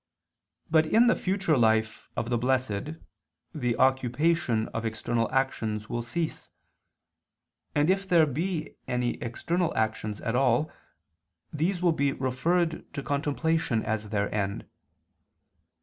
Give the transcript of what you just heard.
But in the future life of the blessed the occupation of external actions will cease, and if there be any external actions at all, these will be referred to contemplation as their end.